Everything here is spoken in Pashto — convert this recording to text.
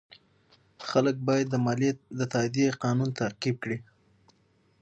خلک باید د مالیې د تادیې قانون تعقیب کړي.